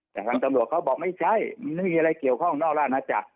แต่ทางตำรวจเขาบอกไม่ใช่มันไม่มีอะไรเกี่ยวข้องนอกราชนาจักร